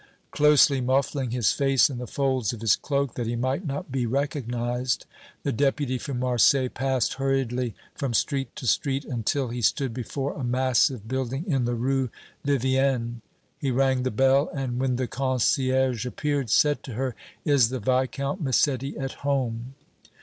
Closely muffling his face in the folds of his cloak, that he might not be recognized, the Deputy from Marseilles passed hurriedly from street to street until he stood before a massive building in the Rue Vivienne. He rang the bell, and, when the concierge appeared, said to her: "Is the Viscount Massetti at home?"